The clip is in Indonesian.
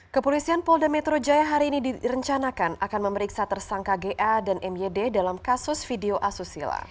kepolisian polda metro jaya hari ini direncanakan akan memeriksa tersangka ga dan myd dalam kasus video asusila